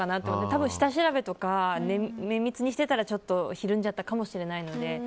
多分、下調べとか綿密にしてたらひるんじゃったかもしれないので。